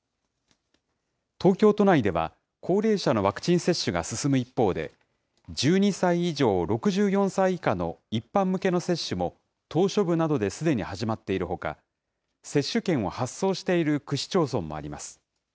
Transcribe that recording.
東京都内では、高齢者のワクチン接種が進む一方で、１２歳以上６４歳以下の一般向けの接種も島しょ部などですでに始まっているほか、接種券を発送している区市町村もあります。